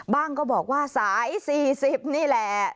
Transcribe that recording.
ก็บอกว่าสาย๔๐นี่แหละ